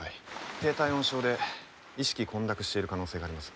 低体温症で意識混濁している可能性があります。